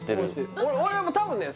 俺多分ね